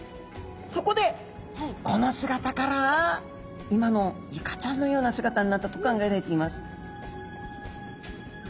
そこでこの姿から今のイカちゃんのような姿になったと考えられています。